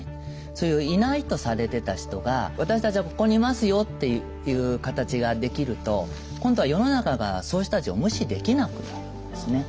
そういういないとされてた人が私たちはここにいますよっていう形ができると今度は世の中がそういう人たちを無視できなくなるんですね。